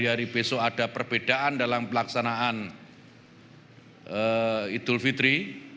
di hari besok ada perbedaan dalam pelaksanaan idul fitri